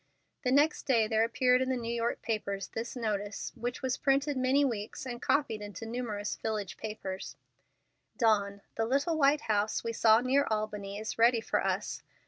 The next day there appeared in the New York papers this notice, which was printed many weeks and copied into numerous village papers: Dawn, the little white house we saw near Albany is ready for us.